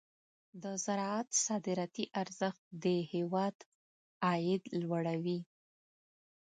د زراعت صادراتي ارزښت د هېواد عاید لوړوي.